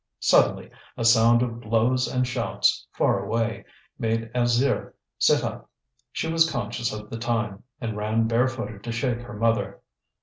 Suddenly a sound of blows and shouts, far away, made Alzire sit up. She was conscious of the time, and ran barefooted to shake her mother.